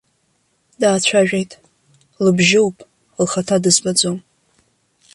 Даацәажәеит, лыбжьоуп, лхаҭа дызбаӡом.